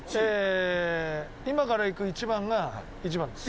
今から行く壹番が１番です。